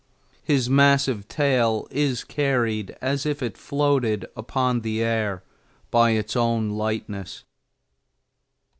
His massive tail is carried as if it floated upon the air by its own lightness.